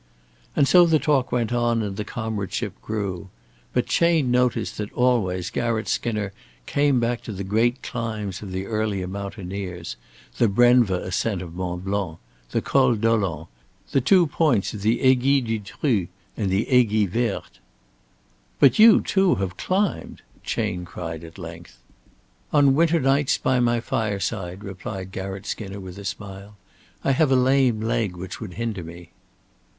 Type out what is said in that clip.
And so the talk went on and the comradeship grew. But Chayne noticed that always Garratt Skinner came back to the great climbs of the earlier mountaineers, the Brenva ascent of Mont Blanc, the Col Dolent, the two points of the Aiguille du Dru and the Aiguille Verte. "But you, too, have climbed," Chayne cried at length. "On winter nights by my fireside," replied Garratt Skinner, with a smile. "I have a lame leg which would hinder me."